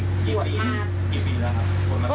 กี่ปีแล้วครับ